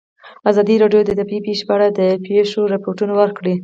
ازادي راډیو د طبیعي پېښې په اړه د پېښو رپوټونه ورکړي.